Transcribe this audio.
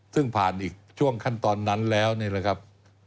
ซึ่งผ่านอีกช่วงขั้นตอนนั้นแล้วนี่แหละครับ